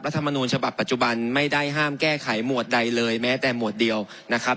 ธรรมนูลฉบับปัจจุบันไม่ได้ห้ามแก้ไขหมวดใดเลยแม้แต่หมวดเดียวนะครับ